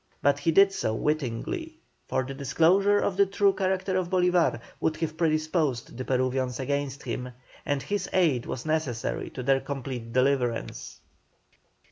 But he did so wittingly, for the disclosure of the true character of Bolívar would have predisposed the Peruvians against him, and his aid was necessary to their complete deliverance.